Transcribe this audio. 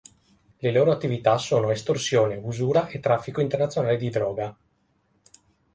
Le loro attività sono estorsione, usura e traffico internazionale di droga.